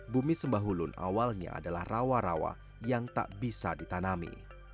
bumi sembahulun awalnya adalah rawa rawa yang tak bisa ditanami